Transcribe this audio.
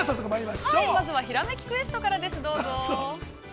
まずは「ひらめきクエスト」からです、どうぞ。